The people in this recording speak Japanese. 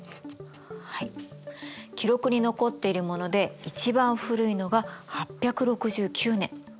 記録に残っているもので一番古いのが８６９年。